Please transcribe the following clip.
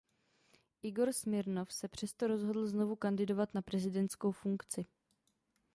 Igor Smirnov se přesto rozhodl znovu kandidovat na prezidentskou funkci.